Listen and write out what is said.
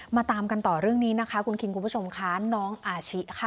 ตามกันต่อเรื่องนี้นะคะคุณคิงคุณผู้ชมค่ะน้องอาชิค่ะ